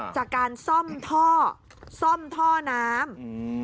จากการซ่อมท่อซ่อมท่อน้ำอืม